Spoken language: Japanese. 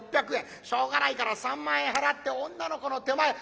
しょうがないから３万円払って女の子の手前